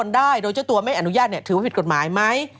ได้โดยเจ้าตัวไม่อนุญาตถือว่าผิดกฎหมายไหม